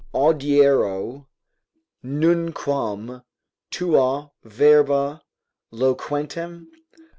audiero nunquam tua verba loquentem?